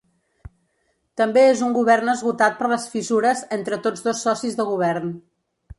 També és un govern esgotat per les fissures entre tots dos socis de govern.